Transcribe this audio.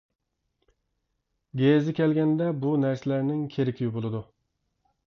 گېزى كەلگەندە بۇ نەرسىلەرنىڭ كېرىكى بولىدۇ.